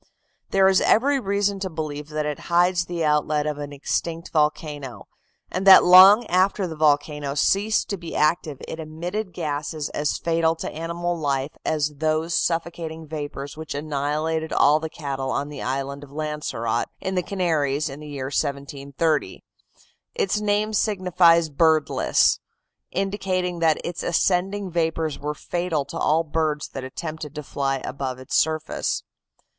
There is every reason to believe that it hides the outlet of an extinct volcano, and that long after the volcano ceased to be active it emitted gases as fatal to animal life as those suffocating vapors which annihilated all the cattle on the Island of Lancerote, in the Canaries, in the year 1730. Its name signifies "birdless," indicating that its ascending vapors were fatal to all birds that attempted to fly above its surface.